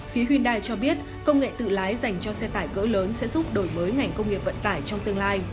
phía hyundai cho biết công nghệ tự lái dành cho xe tải cỡ lớn sẽ giúp đổi mới ngành công nghiệp vận tải trong tương lai